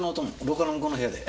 廊下の向こうの部屋で。